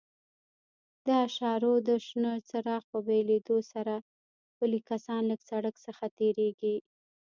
د اشارو د شنه څراغ په بلېدو سره پلي کسان له سړک څخه تېرېږي.